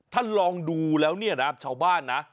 ถ้าลองดูแล้วเนี่ยนะชาวบ้านนะ